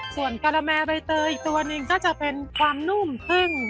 ส่วนกะละแมใบเตยอีกตัวหนึ่งก็จะเป็นความนุ่มทึ่ง